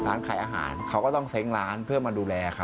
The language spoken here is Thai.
ร้านขายอาหารเขาก็ต้องเซ้งร้านเพื่อมาดูแลเขา